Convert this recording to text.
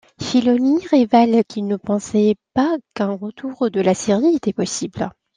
Filoni révèle qu'il ne pensait pas qu'un retour de la série était possible.